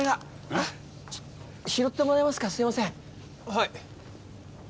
はい。